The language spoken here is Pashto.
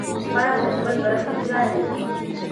پاڼه په خپل برخلیک ژاړي.